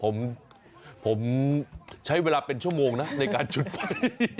ผมใช้เวลาเป็นชั่วโมงนะในการจุดไฟ